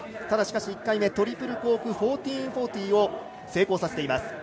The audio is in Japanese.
ただ、しかし１回目トリプルコーク１４４０を成功させています。